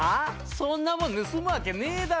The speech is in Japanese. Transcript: そんなもん盗むわけねえだろ。